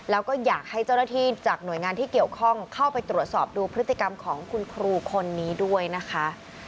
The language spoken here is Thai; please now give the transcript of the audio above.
แล้วก็อยากให้เจ้าหน้าที่จากหน่วยงานที่เกี่ยวข้องเข้าไปตรวจสอบดูพฤติกรรมของคุณครูคนนี้ด้วยนะคะ